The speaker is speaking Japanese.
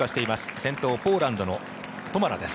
先頭、ポーランドのトマラです。